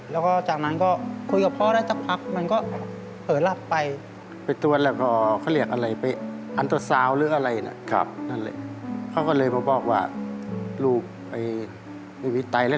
แล้วก็จากนั้นก็คุยกับพ่อได้สักพักมันก็เหลือไป